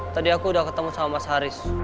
tadi aku udah ketemu sama mas haris